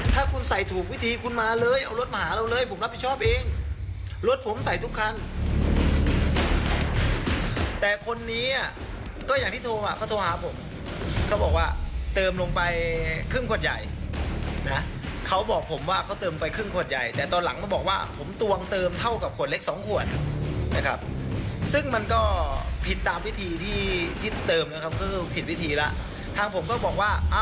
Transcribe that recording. ถ้าคุณใส่ถูกวิธีคุณมาเลยเอารถมาหาเราเลยผมรับผิดชอบเองรถผมใส่ทุกคันแต่คนนี้อ่ะก็อย่างที่โทรมาเขาโทรหาผมเขาบอกว่าเติมลงไปครึ่งขวดใหญ่นะเขาบอกผมว่าเขาเติมไปครึ่งขวดใหญ่แต่ตอนหลังเขาบอกว่าผมตวงเติมเท่ากับครึ่งขวดใหญ่แต่ตอนหลังเขาบอกว่าผมตวงเติมเท่ากับครึ่งขวดใหญ่แต่ตอนหลังเขาบอกว่